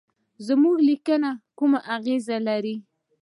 زموږ لیکني کومه اغیزه لري.